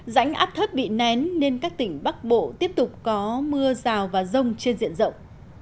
rãnh áp thấp bị nén nên các tỉnh bắc bộ tiếp tục có mưa rào và rông trên diện rộng